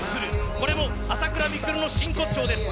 これも、朝倉未来の真骨頂です。